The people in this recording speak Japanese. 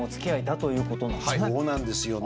そうなんですよね。